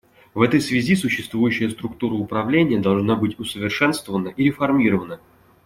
В этой связи существующая структура управления должна быть усовершенствована и реформирована.